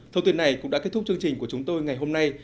thông tin này cũng đã kết thúc chương trình của chúng tôi ngày hôm nay